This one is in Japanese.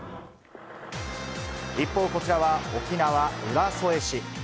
一方、こちらは沖縄・浦添市。